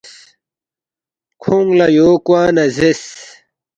کھونگ لہ یو کوا نہ زیرس،